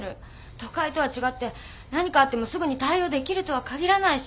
都会とは違って何かあってもすぐに対応できるとは限らないし。